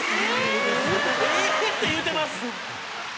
「“ええー？”って言うてます！」